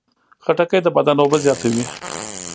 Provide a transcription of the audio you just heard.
خټکی د بدن اوبه زیاتوي.